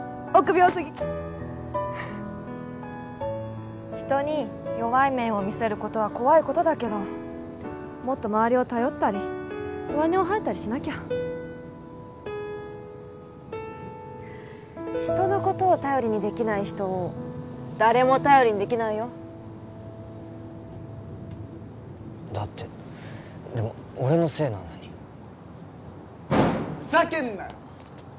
臆病すぎ人に弱い面を見せることは怖いことだけどもっと周りを頼ったり弱音を吐いたりしなきゃ人のことを頼りにできない人を誰も頼りにできないよだってでも俺のせいなのにふざけんなよ